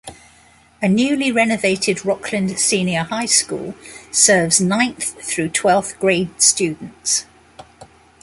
A newly renovated Rockland Senior High School serves ninth through twelfth grade students.